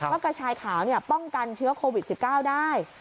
กระชายขาวป้องกันเชื้อโควิด๑๙ได้